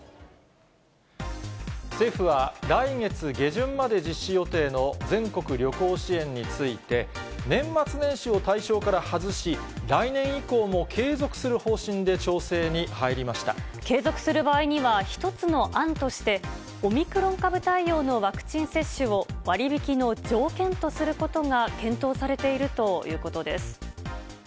政府は、来月下旬まで実施予定の全国旅行支援について、年末年始を対象から外し、来年以降も継続する方針で調整に入りま継続する場合には、一つの案として、オミクロン株対応のワクチン接種を割引の条件とすることが検討されているということです。